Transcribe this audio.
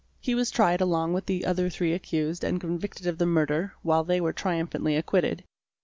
He was tried along with the other three accused and convicted of the murder, while they were triumphantly acquitted.